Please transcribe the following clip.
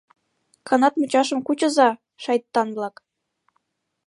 Канат мучашым кучыза, шайтан-влак!